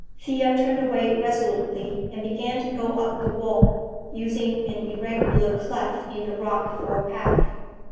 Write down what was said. Thea turned away resolutely and began to go up the wall, using an irregular cleft in the rock for a path.